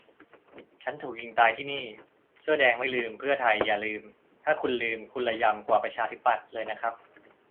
- "ฉันถูกยิงตายที่นี่" เสื้อแดงไม่ลืม เพื่อไทยอย่าลืม ถ้าคุณลืม คุณระยำกว่าประชาธิปัตย์เลยนะครับ